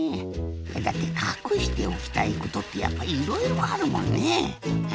だってかくしておきたいことってやっぱいろいろあるもんね。